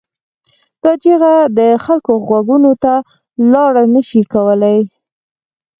دا چیغه د خلکو غوږونو ته لاره نه شي کولای.